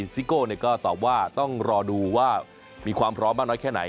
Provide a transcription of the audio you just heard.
ซิโก้ก็ตอบว่าต้องรอดูว่ามีความพร้อมมากน้อยแค่ไหน